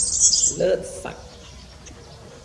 เลิศศักดิ์